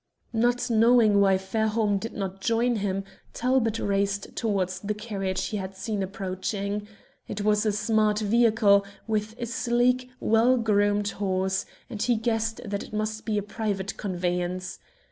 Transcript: Not knowing why Fairholme did not join him, Talbot raced towards the carriage he had seen approaching. It was a smart vehicle, with a sleek, well groomed horse, and he guessed that it must be a private conveyance.